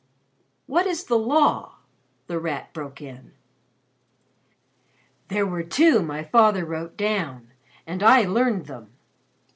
'" "What is the Law?" The Rat broke in. "There were two my father wrote down, and I learned them.